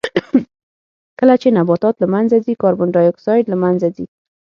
کله چې نباتات له منځه ځي کاربن ډای اکسایډ له منځه ځي.